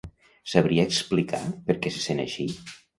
Sabria explicar per què se sent així?